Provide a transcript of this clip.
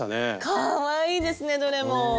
かわいいですねどれも！